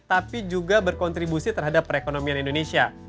tapi juga berkontribusi terhadap perekonomian indonesia